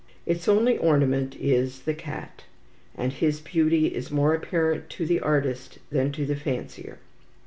Its only ornament is the cat, and his beauty is more apparent to the artist than to the fancier.